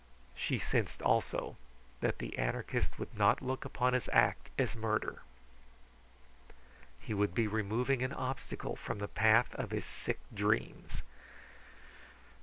She sensed also that the anarchist would not look upon his act as murder. He would be removing an obstacle from the path of his sick dreams.